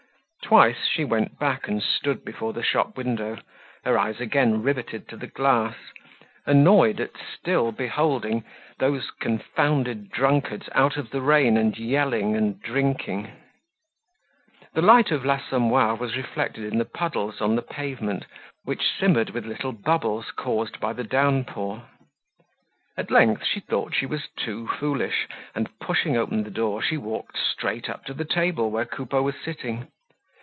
Twice she went back and stood before the shop window, her eyes again riveted to the glass, annoyed at still beholding those confounded drunkards out of the rain and yelling and drinking. The light of l'Assommoir was reflected in the puddles on the pavement, which simmered with little bubbles caused by the downpour. At length she thought she was too foolish, and pushing open the door, she walked straight up to the table where Coupeau was sitting.